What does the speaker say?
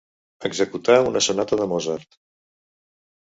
Executar una sonata de Mozart.